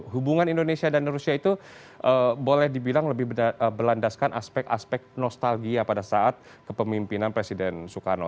hubungan indonesia dan rusia itu boleh dibilang lebih berlandaskan aspek aspek nostalgia pada saat kepemimpinan presiden soekarno